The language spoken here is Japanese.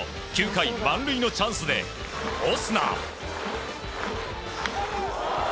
９回、満塁のチャンスでオスナ。